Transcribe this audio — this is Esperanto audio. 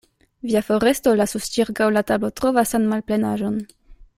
Via foresto lasus ĉirkaŭ la tablo tro vastan malplenaĵon.